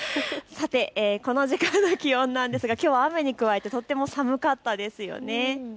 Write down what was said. この時間の気温なんですがきょう雨に加えてとっても寒かったですよね。